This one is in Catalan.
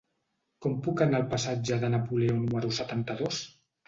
Com puc anar al passatge de Napoleó número setanta-dos?